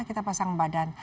kita pasang badan